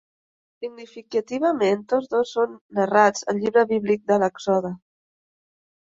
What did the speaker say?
Significativament, tots dos són narrats al llibre bíblic de l'Èxode.